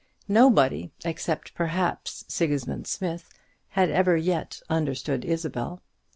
Nobody, except perhaps Sigismund Smith, had ever yet understood Isabel.